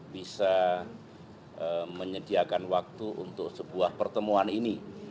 bisa menyediakan waktu untuk sebuah pertemuan ini